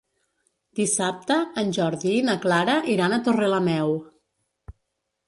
Dissabte en Jordi i na Clara iran a Torrelameu.